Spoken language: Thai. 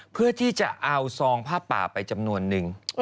เพื่อที่จะเอาซองผ้าป่าไปจำนวนนึง